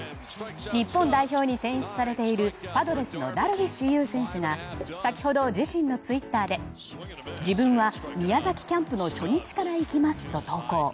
日本代表に選出されているパドレスのダルビッシュ有選手が先ほど、自身のツイッターで自分は宮崎キャンプの初日から行きますと投稿。